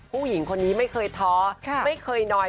ผู้หญิงคนนี้ไม่เคยท้อไม่เคยน้อย